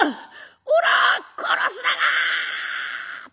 おら殺すだか！」。